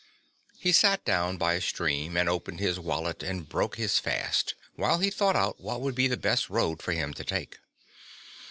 He sat down by a stream and opened his wallet and broke his fast, while he thought out what would be the best road for him to take.